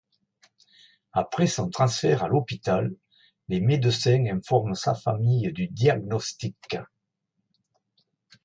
Après son transfert à l'hôpital, les médecins informent sa famille du diagnostic.